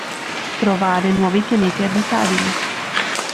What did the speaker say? Trovare nuovi pianeti abitabili.